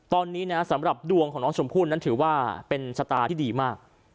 ตอนนี้นะสำหรับดวงของน้องชมพู่นั้นถือว่าเป็นชะตาที่ดีมาก